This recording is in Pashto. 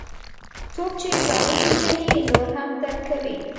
څوک چې ځان وپېژني، نور هم درک کوي.